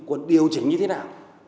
còn điều chỉnh như thế nào